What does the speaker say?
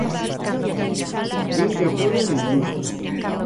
Din que apoian a industria.